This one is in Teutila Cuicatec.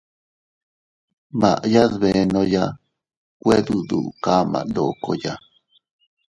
Maʼya dbenoya, nwe dudu kama ndokoya.